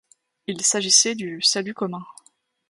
Il s’agissait du salut commun.